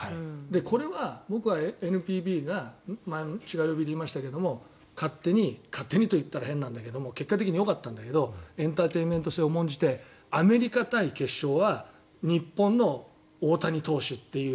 これは僕はＮＰＢが前、違う曜日で言いましたが勝手にと言ったら変なんだけど結果的によかったんだけどエンターテインメント性を重んじてアメリカ対決勝は日本の大谷投手っていう。